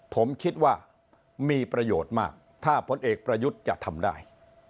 ผมคิดว่ามีประโยชน์มากถ้าพลเอกประยุทธ์จะทำได้